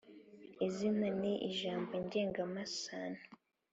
Izina ni ijambo ngengamasano